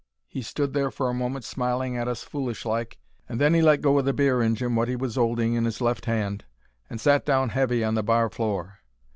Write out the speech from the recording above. He stood there for a moment smiling at us foolish like, and then 'e let go o' the beer injin, wot 'e was 'olding in 'is left hand, and sat down heavy on the bar floor.